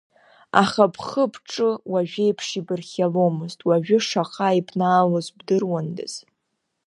Аха бхы-бҿы уажәеиԥш ибырхиаломызт, уажәы шаҟа ибнаалаз бдыруандаз!